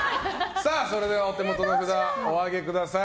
それではお手元の札をお上げください。